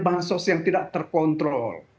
bahan sosial yang tidak terkontrol